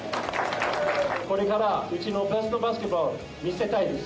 これからうちのベストバスケットボール、見せたいです。